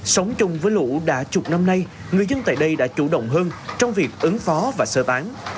sống chung với lũ đã chục năm nay người dân tại đây đã chủ động hơn trong việc ứng phó và sơ tán